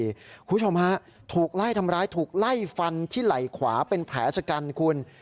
คุณผู้ชมฮะถูกไล่ทำร้ายถูกไล่ฟันที่ไหล่ขวาเป็นแผลชะกันคุณ